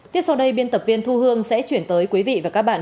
tiếp sau đây biên tập viên thu hương sẽ chuyển tới quý vị và các bạn